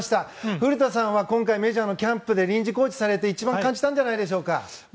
古田さんは今回メジャーのキャンプで臨時コーチされて一番感じたんじゃないでしょうか？